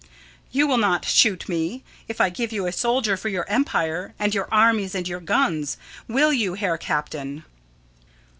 _] You will not shoot me if I give you a soldier for your empire and your armies and your guns, will you, Herr Captain?